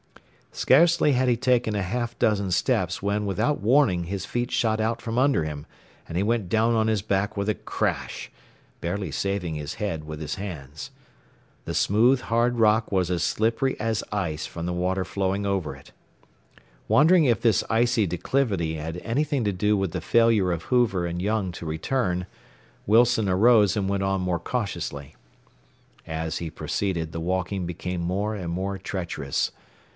Scarcely had he taken a half dozen steps when without warning his feet shot from under him and he went down on his back with a crash, barely saving his head with his hands. The smooth hard rock was as slippery as ice from the water flowing over it. Wondering if this icy declivity had anything to do with the failure of Hoover and Young to return, Wilson arose and went on more cautiously. As he proceeded the walking became more and more treacherous.